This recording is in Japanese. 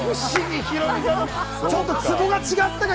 ヒロミさん、ちょっとツボが違ったか。